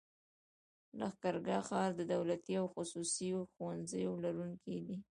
لښکرګاه ښار د دولتي او خصوصي ښوونځيو لرونکی دی.